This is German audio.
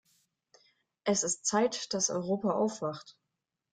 Es ist Zeit, dass Europa aufwacht.